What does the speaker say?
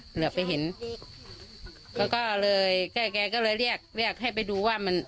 เหลือไปเห็นแล้วก็เลยแกก็เลยเรียกเรียกให้ไปดูว่ามัน